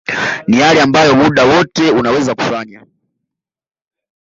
ni yale ambayo muda wote unaweza kufanya